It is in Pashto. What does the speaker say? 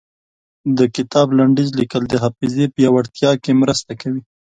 د کتاب لنډيز ليکل د حافظې پياوړتيا کې مرسته کوي.